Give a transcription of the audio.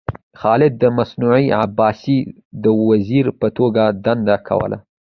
خالد د منصور عباسي د وزیر په توګه دنده کوله.